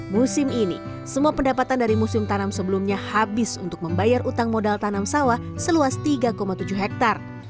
musim ini semua pendapatan dari musim tanam sebelumnya habis untuk membayar utang modal tanam sawah seluas tiga tujuh hektare